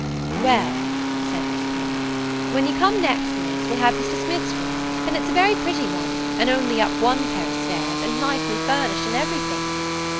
"Well," said Miss Polly, "when you come next, Miss, we'll have Mr. Smith's room: and it's a very pretty one, and only up one pair of stairs, and nicely furnished, and every thing."